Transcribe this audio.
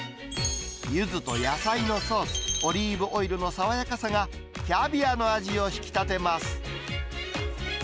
ユズと野菜のソース、オリーブオイルの爽やかさが、キャビアの味を引き立てます。